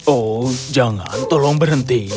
oh jangan tolong berhenti